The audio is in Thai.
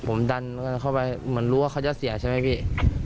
ผมดันเข้าไปเหมือนรู้ว่าเขาจะเสียใช่ไหมพี่